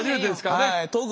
はい。